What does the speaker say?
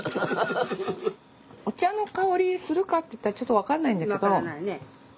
お茶の香りするかっていったらちょっと分かんないんだけど。